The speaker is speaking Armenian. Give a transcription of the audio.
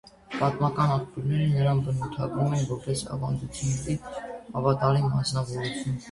Պատմական աղբյուրները նրան բնութագրում են որպես ավանդույթներին հավատարիմ անձնավորության։